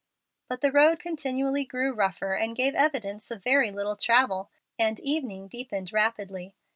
But the road continually grew rougher and gave evidence of very little travel, and the evening deepened rapidly.